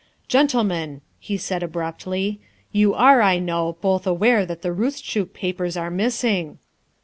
" Gentlemen," he said abruptly, " you are, I know, both aware that the Roostchook papers are missing.